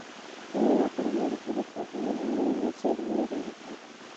نه غواړم د هیلو خوږوالی او د مایوسۍ لمبې ګډې کړم.